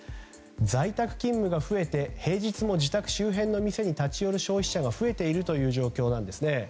在宅勤務が増えて平日も自宅周辺の店に立ち寄る消費者が増えている状況なんですね。